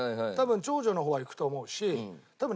多分長女の方は行くと思うし。